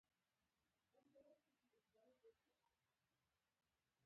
دوي د ګړنګ پر لار راروان دي.